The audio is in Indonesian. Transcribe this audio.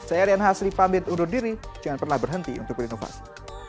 saya rian hasri pamit undur diri jangan pernah berhenti untuk berinovasi